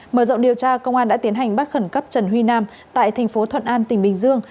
mở rộng điều tra công an đã tiến hành bắt khẩn cấp trần huy nam tại thành phố thuận an tỉnh bình dương